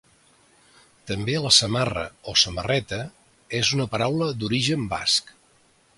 També la samarra o samarreta és una paraula d'origen basc.